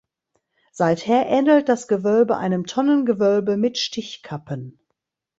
Seither ähnelt das Gewölbe einem Tonnengewölbe mit Stichkappen.